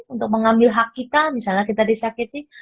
untuk mengambil hak kita misalnya kita disakiti